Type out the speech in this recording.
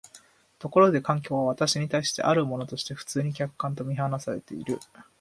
ところで環境は私に対してあるものとして普通に客観と看做されている。